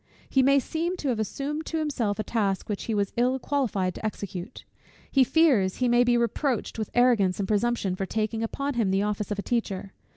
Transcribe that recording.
He may seem to have assumed to himself a task which he was ill qualified to execute. He fears he may be reproached with arrogance and presumption for taking upon him the office of a teacher.